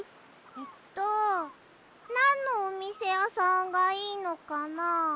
えっとなんのおみせやさんがいいのかな？